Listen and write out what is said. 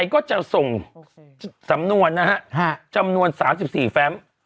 ก็จะส่งสำนวนนะฮะฮะจำนวนสามสิบสี่แฟมป์